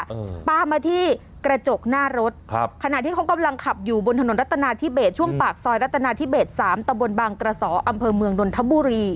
เออป้ามาที่กระจกหน้ารถครับขณะที่เขากำลังขับอยู่บนถนนรัตนาธิเบสช่วงปากซอยรัตนาธิเบสสามตะบนบางกระสออำเภอเมืองนนทบุรี